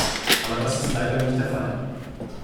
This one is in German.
Aber das ist leider nicht der Fall.